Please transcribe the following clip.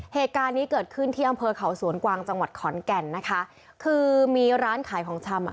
เหตุการณ์นี้เกิดขึ้นที่อำเภอเขาสวนกวางจังหวัดขอนแก่นนะคะคือมีร้านขายของชำอ่ะ